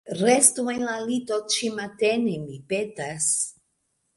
Restu en la lito ĉimatene, mi petas.